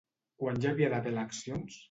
Quan hi havia d'haver eleccions?